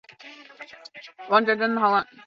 费洛比曾就读波士顿的及塔夫茨大学医学院。